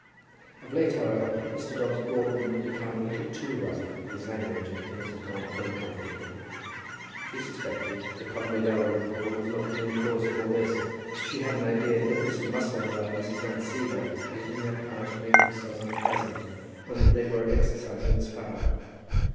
Of late, however, Mr. Dobbs Broughton had become a little too rough in his language, and things had gone uncomfortably. She suspected that Conway Dalrymple was not the only cause of all this. She had an idea that Mr. Musselboro and Mrs. Van Siever had it in their power to make themselves unpleasant, and that they were exercising this power.